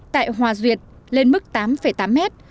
tại hòa duyệt lên mức tám tám mét